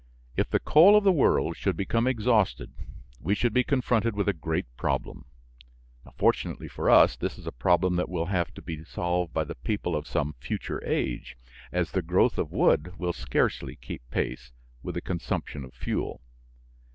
If the coal of the world should become exhausted we should be confronted with a great problem. Fortunately for us, this is a problem that will have to be solved by the people of some future age, as the growth of wood will scarcely keep pace with the consumption of fuel.